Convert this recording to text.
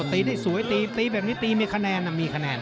ตีได้สวยตีแบบนี้ตีมีคะแนน